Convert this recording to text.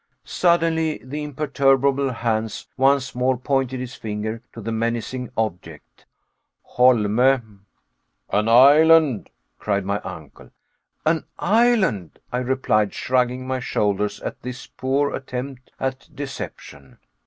Suddenly the imperturbable Hans once more pointed his finger to the menacing object: "Holme!" "An island!" cried my uncle. "An island?" I replied, shrugging my shoulders at this poor attempt at deception.